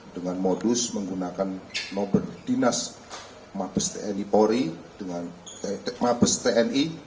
dengan modus menggunakan nomor dinas mapes tni